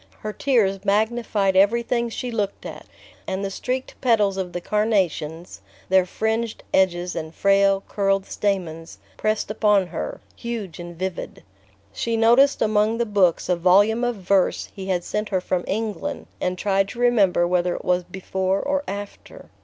Her tears magnified everything she looked at, and the streaked petals of the carnations, their fringed edges and frail curled stamens, pressed upon her, huge and vivid. She noticed among the books a volume of verse he had sent her from England, and tried to remember whether it was before or after...